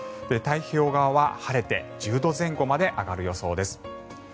太平洋側は晴れて１０度前後まで上がる予想です。